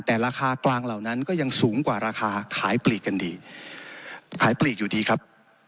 แต่ราคากลางเหล่านั้นก็ยังสูงกว่าราคาขายปลีกกันดีขายปลีกอยู่ดีครับ